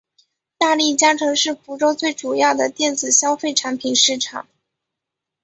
大利嘉城是福州最主要的电子消费产品市场。